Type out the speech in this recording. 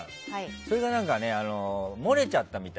それが、何か漏れちゃったみたい。